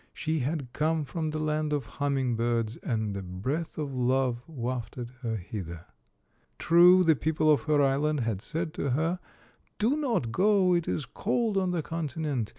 She had come from the land of humming birds, and a breath of love wafted her hither. True, the people of her island had said to her, " Do not go. It is cold on the continent.